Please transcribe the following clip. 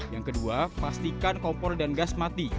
yang kedua pastikan kompor dan gas mati